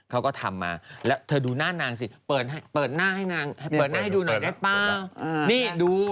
เอามาดูนี่นี่นี่นี่